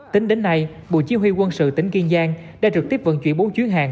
tính đến nay bộ chỉ huy quân sự tỉnh kiên giang đã trực tiếp vận chuyển bốn chuyến hàng